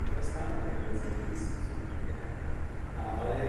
Při pozdější sklizni brambor je velké riziko poškození plži.